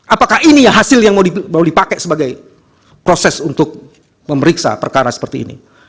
apakah ini hasil yang mau dipakai sebagai proses untuk memeriksa perkara seperti ini